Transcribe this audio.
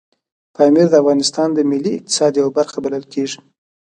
پامیر د افغانستان د ملي اقتصاد یوه برخه بلل کېږي.